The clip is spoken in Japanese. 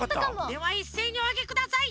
ではいっせいにおあげください！